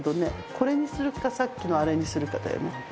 これにするかさっきのあれにするかだよね。